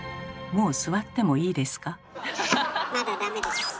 もう座ってもいいですか？